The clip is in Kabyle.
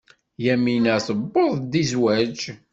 Yamina tuweḍ-d i zzwaj.